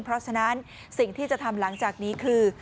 เพราะฉะนั้นสิ่งที่จะทำหลังจากนี้คือ